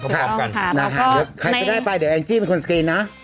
ใครจะได้ไปเดี๋ยวแอน์จี้ด่วนครองกันนะ